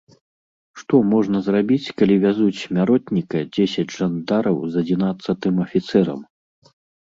Што можна зрабіць, калі вязуць смяротніка дзесяць жандараў з адзінаццатым афіцэрам?